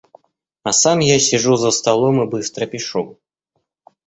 А сам я сижу за столом и быстро пишу.